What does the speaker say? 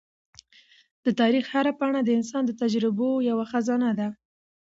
د تاریخ هره پاڼه د انسان د تجربو یوه خزانه ده.